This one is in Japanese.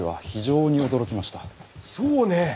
そうね！